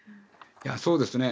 そうですね。